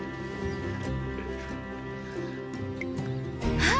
あっ！